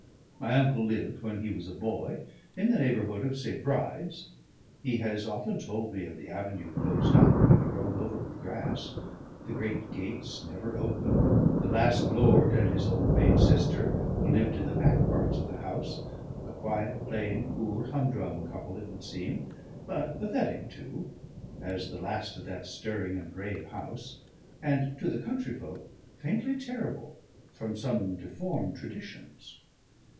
My uncle lived when he was a boy in the neighbourhood of St. Bride's; he has often told me of the avenue closed up and grown over with grass, the great gates never opened, the last lord and his old maid sister who lived in the back parts of the house, a quiet, plain, poor, humdrum couple it would seem but pathetic too, as the last of that stirring and brave house and, to the country folk, faintly terrible from some deformed traditions."